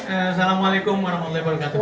assalamualaikum warahmatullahi wabarakatuh